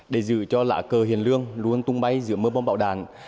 để giữ cho lá cờ hiền lương luôn tung bay giữa mưa bóng bạo đàn